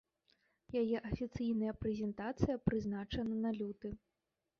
Яе афіцыйная прэзентацыя прызначана на люты.